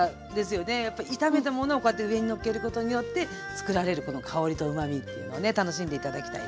やっぱ炒めた物をこうやって上にのっけることによってつくられるこの香りとうまみというのをね楽しんで頂きたいです。